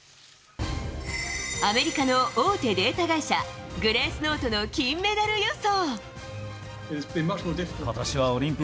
アメリカの大手データ会社グレースノートの金メダル予想。